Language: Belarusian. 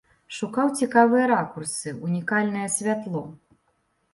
Шукаў цікавыя ракурсы, унікальная святло.